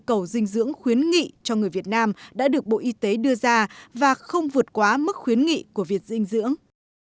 nhu cầu dinh dưỡng khuyến nghị cho người việt nam đã được bộ y tế đưa ra và không vượt quá mức khuyến nghị của việc dinh dưỡng